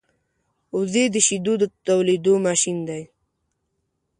وزې د شیدو د تولېدو ماشین دی